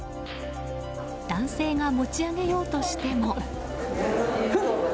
男性が持ち上げようとしても。